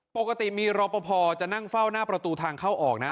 ปกติมีรอปภจะนั่งเฝ้าหน้าประตูทางเข้าออกนะ